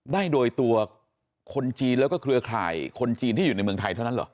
ได้โดยตัวคนจีนแล้วก็เครือข่ายคนจีนที่อยู่ในเมืองไทยเท่านั้นเหรอ